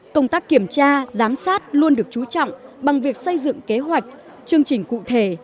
công tác kiểm tra giám sát luôn được chú trọng bằng việc xây dựng kế hoạch chương trình cụ thể